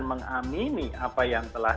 mengamini apa yang telah